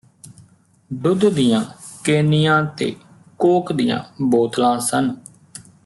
ਦੁੱਧ ਦੀਆਂ ਕੇਨੀਆ ਤੇ ਕੋਕ ਦੀਆਂ ਬੋਤਲਾਂ ਸਨ